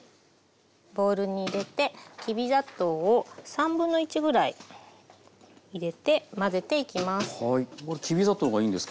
ボウルに入れてきび砂糖を1/3ぐらい入れて混ぜていきます。